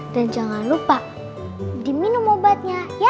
dan jangan lupa diminum obatnya ya